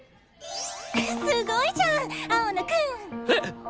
すごいじゃん青野くん！えっ！